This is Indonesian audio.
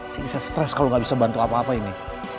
saya bisa stres kalau nggak bisa bantu apa apa ini